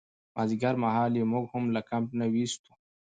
مازدیګرمهال یې موږ هم له کمپ نه ویستو.